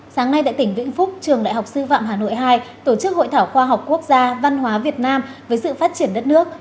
sáng nay tại tỉnh vĩnh phúc trường đại học sư phạm hà nội hai tổ chức hội thảo khoa học quốc gia văn hóa việt nam với sự phát triển đất nước